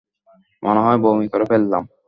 মনে হয় বমি করে ফেললাম।